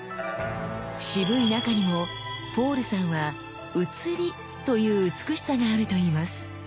渋い中にもポールさんは「映り」という美しさがあるといいます。